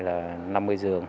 là năm mươi giường